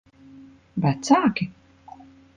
Vecāki?